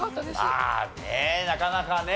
まあねなかなかね。